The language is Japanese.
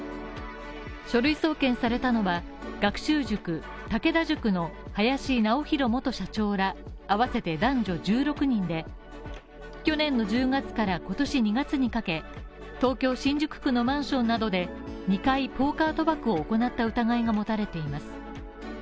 書類送検されたのは、学習塾、武田塾の林尚弘元社長らあわせて男女１６人で、去年の１０月から今年２月にかけ、東京新宿区のマンションなどで２回ポーカー賭博を行った疑いが持たれています。